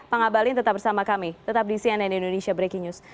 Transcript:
pak ngabalin tetap bersama kami tetap di cnn indonesia breaking news